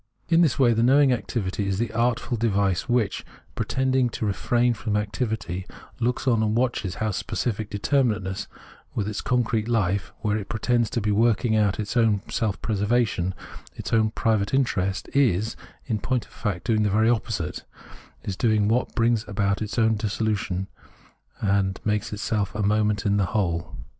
In this way the knowing activity is the artful device which, pretending to refrain from activity, looks on and watches how specific determinateness, with its concrete fife, just where it pretends to be working out its own self preservation and its own private interest, is, in point of fact, doing the very opposite, is doing what brings about its own dissolution and makes itself a moment in the whole.